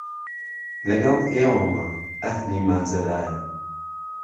له گەڵ ئێيوهمه ئەهلی ماجەرایە